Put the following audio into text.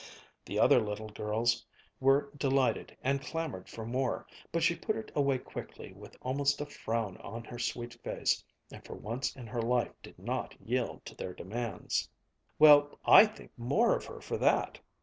The other little girls were delighted and clamored for more, but she put it away quickly with almost a frown on her sweet face, and for once in her life did not yield to their demands. "Well, I think more of her for that!"